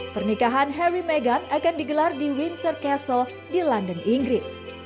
pernikahan harry meghan akan digelar di windsor castle di london inggris